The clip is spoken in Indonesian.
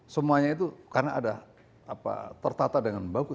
semuanya itu karena ada tertata dengan bagus